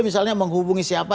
misalnya menghubungi siapa